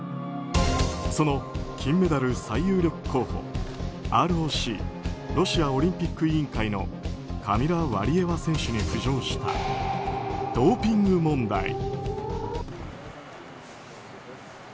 その金メダル最有力候補ＲＯＣ・ロシアオリンピック委員会のカミラ・ワリエワ選手に浮上したドーピング問題。